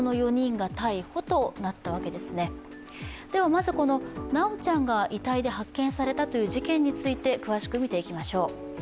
まずこの修ちゃんが遺体で発見されたという事件について詳しく見ていきましょう。